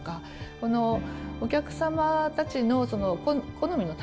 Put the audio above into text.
このお客様たちの好みの多様化